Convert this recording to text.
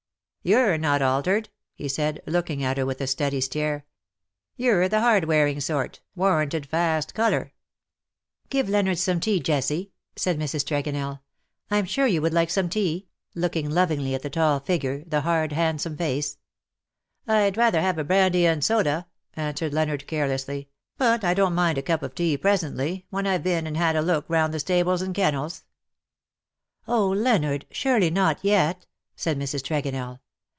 " You're not altered/' he said, looking at her with a steady stare. '^^You^re the hard wearing sort, warranted fast colour." '* Give Leonard some tea, Jessie/^ said !Mrs. Tregonell. " Vm. sure you would like some tea ?" looking lovingly at the tall figure, the hard hand some face. ^' LOVE WILL HAVE HIS DAY." 55 '^ Fd rather have a brandy and soda/^ answered Leonard carelessly, "but I don^t mind a cup of tea presently, when I've been and had a look round the stables and kennels/'' " Oh, Leonard ! surely not yet T' said Mrs. Tregonell.